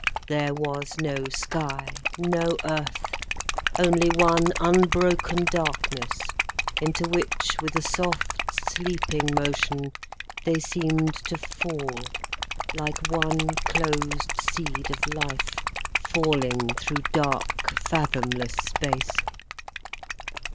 There was no sky, no earth, only one unbroken darkness, into which, with a soft, sleeping motion, they seemed to fall like one closed seed of life falling through dark, fathomless space.